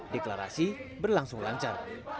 deklarasi berlangsung lancar